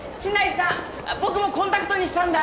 僕もコンタクトにしたんだ！